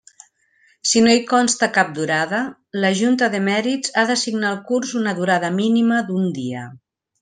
Si no hi consta cap durada, la Junta de Mèrits ha d'assignar al curs una durada mínima d'un dia.